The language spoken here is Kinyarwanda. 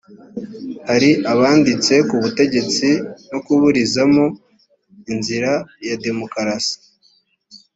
hari abanditse ku butegetsi no kuburizamo inzira ya demokarasi.